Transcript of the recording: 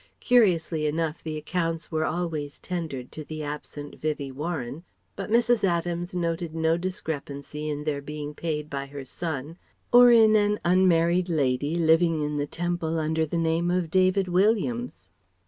Curiously enough the accounts were always tendered to the absent Vivie Warren, but Mrs. Adams noted no discrepancy in their being paid by her son or in an unmarried lady living in the Temple under the name of David Williams.